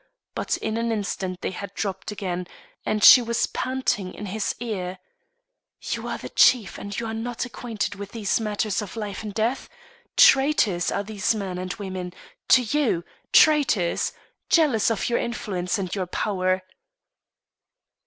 But in an instant they had dropped again, and she was panting in his ear: "You are the chief and are not acquainted with these matters of life and death? Traitors are these men and women to you traitors! jealous of your influence and your power!"